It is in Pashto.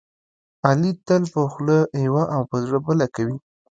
علي تل په خوله یوه او په زړه بله کوي.